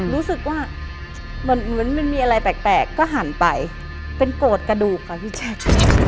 รู้สึกว่าเหมือนมันมีอะไรแปลกก็หันไปเป็นโกรธกระดูกค่ะพี่แจ๊ค